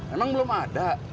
emang belum ada